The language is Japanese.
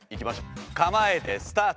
では構えてスタート。